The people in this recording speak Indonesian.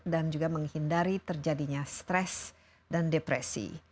dan juga menghindari terjadinya stres dan depresi